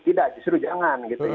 tidak justru jangan